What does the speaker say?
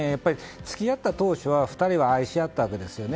付き合った当初２人は愛し合ったわけですよね。